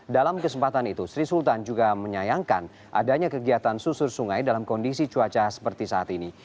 dalam kesempatan itu sri sultan juga menyayangkan adanya kegiatan susur sungai dalam kondisi cuaca seperti saat ini